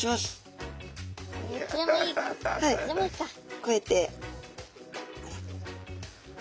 こうやって。